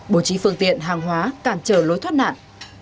bố trí phương tiện hàng hóa cản trở lối thoát nạn